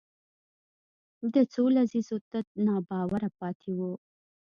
د څو لسیزو تت ناباوره پاتې وو